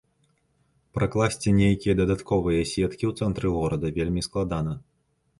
Пракласці нейкія дадатковыя сеткі ў цэнтры горада вельмі складана.